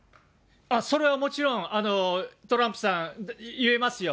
それはもちろん、トランプさん、言えますよ。